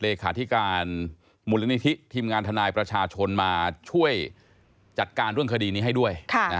เลขาธิการมูลนิธิทีมงานทนายประชาชนมาช่วยจัดการเรื่องคดีนี้ให้ด้วย